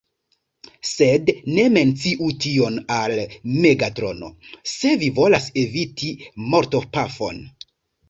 Sed ne menciu tion al Megatrono, se vi volas eviti mortopafon!